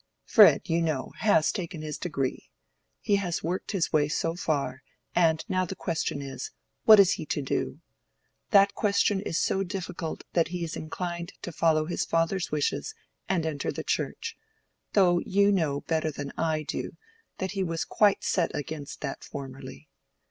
Fred, you know, has taken his degree. He has worked his way so far, and now the question is, what is he to do? That question is so difficult that he is inclined to follow his father's wishes and enter the Church, though you know better than I do that he was quite set against that formerly.